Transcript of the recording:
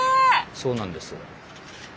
そうなんです。